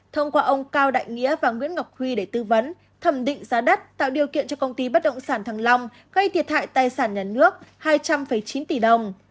thông qua ông cao đại nghĩa và nguyễn ngọc huy để tư vấn thẩm định giá đất tạo điều kiện cho công ty bất động sản thăng long gây thiệt hại tài sản nhà nước hai trăm linh chín tỷ đồng